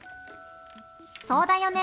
そうだよね。